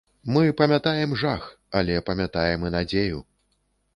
Мы памятаем жах, але памятаем і надзею.